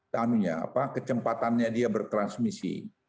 tanunya kecepatannya dia bertransmisi